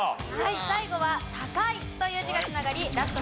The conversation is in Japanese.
最後は「高」という字が繋がりラスト